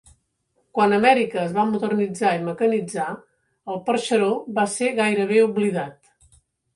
Quan Amèrica es va modernitzar i mecanitzar, el perxeró va ser gairebé oblidat.